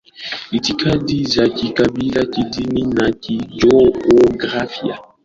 itikadi za kikabila kidini na kijiografia